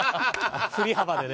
振り幅でね。